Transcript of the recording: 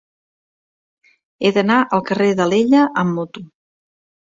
He d'anar al carrer d'Alella amb moto.